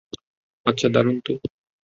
আচ্ছা, দারুণ তো!